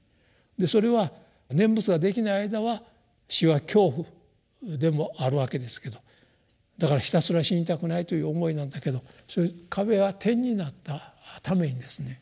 それは念仏ができない間は「死」は恐怖でもあるわけですけどだからひたすら死にたくないという思いなんだけどそういう壁が点になったためにですね